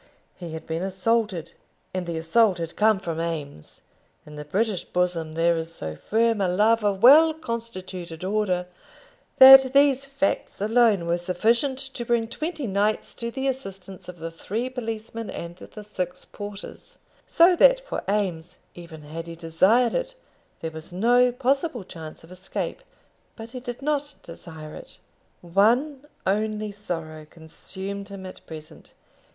He had been assaulted, and the assault had come from Eames. In the British bosom there is so firm a love of well constituted order, that these facts alone were sufficient to bring twenty knights to the assistance of the three policemen and the six porters; so that for Eames, even had he desired it, there was no possible chance of escape. But he did not desire it. One only sorrow consumed him at present.